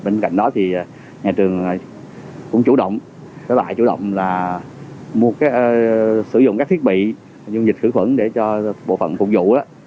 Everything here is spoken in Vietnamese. nhà trường cũng chủ động đó là chủ động là sử dụng các thiết bị dùng dịch khử khuẩn để cho bộ phận phục vụ